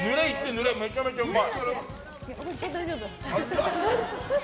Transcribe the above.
ぬれ、めちゃめちゃうまい。